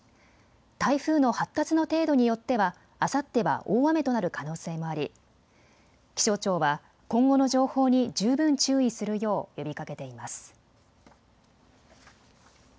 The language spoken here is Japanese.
台風の発達の程度によってはあさっては大雨となる可能性もあり気象庁は今後の情報に十分注意するよう呼びかけています。